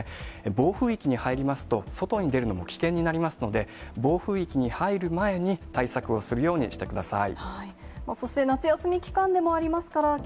暴風域に入りますと、外に出るのも危険になりますので、暴風域に入る前に、対策をするようにしてください。